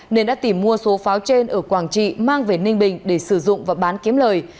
nên đã tìm mua số pháo trên ở quảng trị mang về ninh bình để sử dụng và bán kiếm lời